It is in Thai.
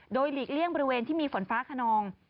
โดยหลีกเลี่ยงบริเวณที่มีฝนฟ้าขนอง